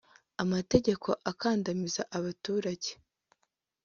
amategeko akandamiza abaturage